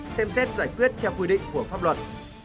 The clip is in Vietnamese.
xem xét giải quyết theo quy định của pháp luật